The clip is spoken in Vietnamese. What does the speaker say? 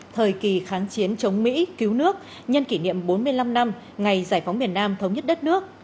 thời kỳ kháng chiến chống mỹ cứu nước nhân kỷ niệm bốn mươi năm năm ngày giải phóng miền nam thống nhất đất nước